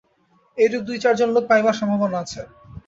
এইরূপ দুই-চারজন লোক পাইবার সম্ভাবনা আছে।